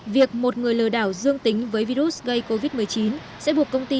việc một người lừa đảo dương tính với virus gây covid một mươi chín sẽ buộc công ty